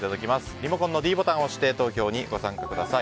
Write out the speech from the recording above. リモコンのｄボタンを押して投票してください。